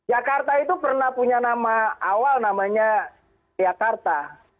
jakarta itu pernah punya nama awal namanya jakarta